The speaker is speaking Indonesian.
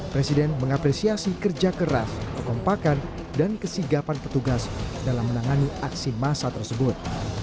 presiden mengapresiasi kerja keras kekompakan dan kesigapan petugas dalam menangani aksi massa tersebut